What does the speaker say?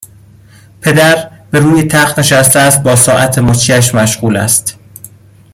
پدر بروی تخت نشسته است با ساعت مچیش مشغول است